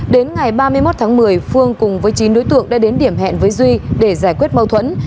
đến ngày ba mươi một tháng một mươi phương cùng với chín đối tượng đã đến điểm hẹn với duy để giải quyết mâu thuẫn